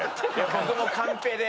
僕もカンペで。